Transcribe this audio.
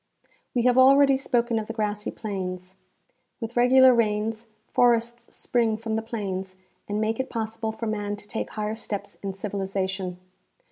We have already spoken of the grassy plains. With regular rains forests spring from the plains, and make it possible for man to take higher steps in civilization.